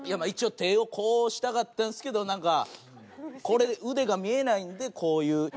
一応手をこうしたかったんですけどなんかこれ腕が見えないんでこういう。